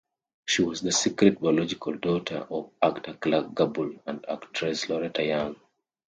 She was the secret biological daughter of actor Clark Gable and actress Loretta Young.